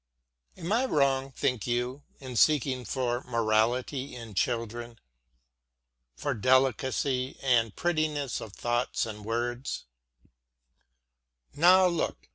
Am I wrong, think you, in seeking for morality in children for delicacy and prettiness of thought and word? Now look!